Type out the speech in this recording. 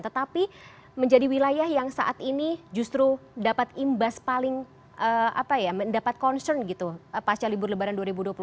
tetapi menjadi wilayah yang saat ini justru dapat imbas paling dapat concern gitu pasca libur lebaran dua ribu dua puluh satu